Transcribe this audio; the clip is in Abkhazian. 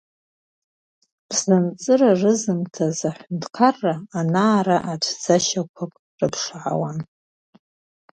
Ԥзанҵыра рызымҭоз аҳәынҭқарра ана-ара ацәӡашьақәак рыԥшаауан.